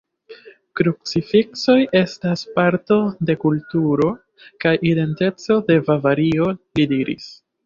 Krucifiksoj estas parto de kulturo kaj identeco en Bavario, li diris.